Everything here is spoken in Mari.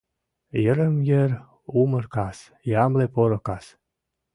Йырым-йыр умыр кас, ямле поро кас…